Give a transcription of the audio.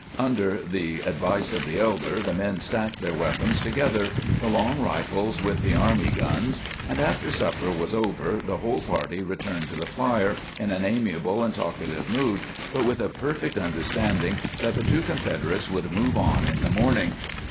Under the advice of the elder, the men stacked their weapons together, the long rifles with the army guns; and after supper was over the whole party returned to the fire in an amiable and talkative mood, but with a perfect understanding that the two Confederates would move on in the morning.